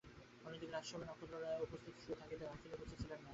অন্যদিন রাজসভায় নক্ষত্ররায় উপস্থিত থাকিতেন, আজ তিনি উপস্থিত ছিলেন না।